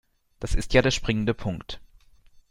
Das ist ja der springende Punkt.